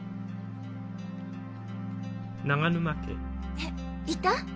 えっいた？